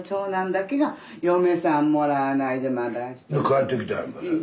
帰ってきたやんか。